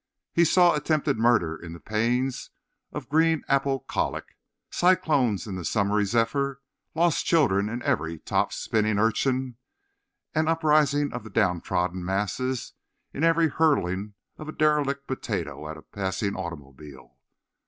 He saw attempted murder in the pains of green apple colic, cyclones in the summer zephyr, lost children in every top spinning urchin, an uprising of the down trodden masses in every hurling of a derelict potato at a passing automobile.